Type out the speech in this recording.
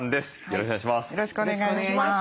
よろしくお願いします。